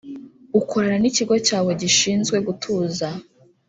ukorana n ikigo cyawe gishinzwe gutuza